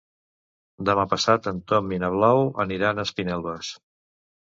Demà passat en Tom i na Blau aniran a Espinelves.